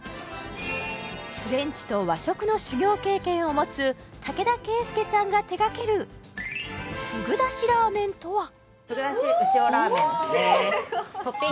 フレンチと和食の修業経験を持つ竹田敬介さんが手がけるふぐだし潮らーめんですね